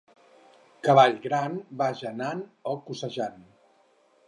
Cavall gran, vaja anant o coixejant.